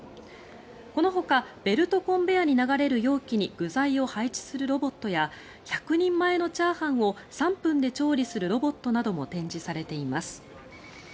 このほか、ベルトコンベヤーに流れる容器に具材を配置するロボットや１００人前のチャーハンを３分で調理するロボットなども展示されています。